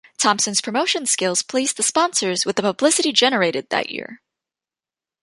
Thompson's promotion skills pleased the sponsors with the publicity generated that year.